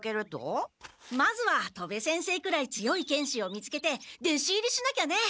まずは戸部先生くらい強い剣士を見つけてでし入りしなきゃね！